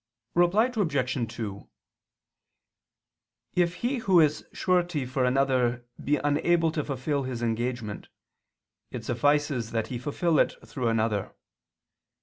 Reply Obj. 2: If he who is surety for another be unable to fulfil his engagement, it suffices that he fulfil it through another.